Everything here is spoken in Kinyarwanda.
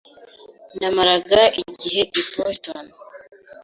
Namaraga igihe i Boston.